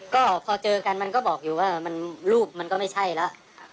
ก็พอเจอกันมันก็บอกอยู่ว่ารูปมันก็ไม่ใช่แล้ว